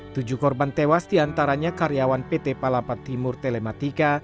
tujuh korban tewas diantaranya karyawan pt palapa timur telematika